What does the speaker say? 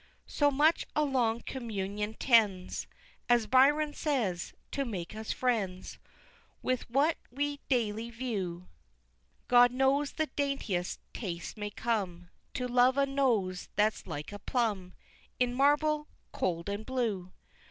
XIV. So much a long communion tends, As Byron says, to make us friends With what we daily view God knows the daintiest taste may come To love a nose that's like a plum In marble, cold and blue!